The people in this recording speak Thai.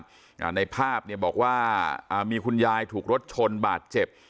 อ่าในภาพเนี่ยบอกว่าอ่ามีคุณยายถูกรถชนบาดเจ็บ